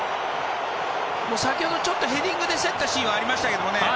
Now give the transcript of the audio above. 先ほどヘディングで競ったシーンはありましたけどね。